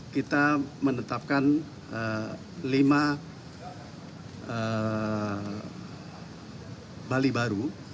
kita menetapkan lima bali baru